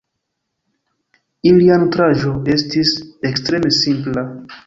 Ilia nutraĵo estis ekstreme simpla.